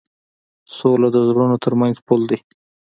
سوله د زړونو تر منځ پُل دی.